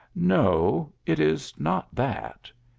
"No, it is not that."